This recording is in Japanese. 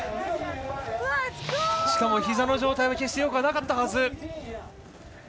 しかもひざの状態は決してよくなかったはず。